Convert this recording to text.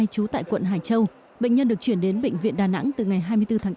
trú tại quận hải châu bệnh nhân được chuyển đến bệnh viện đà nẵng từ ngày hai mươi bốn tháng bốn